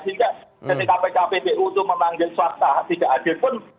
sehingga ketika kppu itu memanggil swasta tidak adil pun